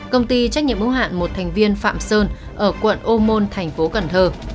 công ty trách nhiệm ưu hạn một thành viên phạm sơn ở quận ô môn tp cần thơ